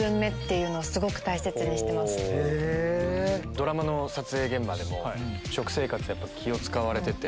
ドラマの撮影現場でも食生活やっぱ気を使われてて。